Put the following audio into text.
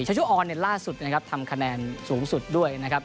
ชุออนล่าสุดนะครับทำคะแนนสูงสุดด้วยนะครับ